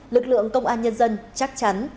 lực lượng công an nhân dân chắc chắn